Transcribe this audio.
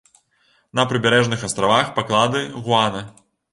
На прыбярэжных астравах паклады гуана.